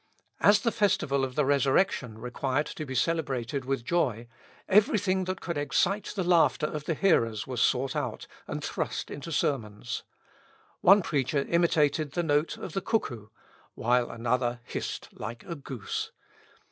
As the festival of the resurrection required to be celebrated with joy, every thing that could excite the laughter of the hearers was sought out, and thrust into sermons. One preacher imitated the note of the cuckoo, while another hissed like a goose.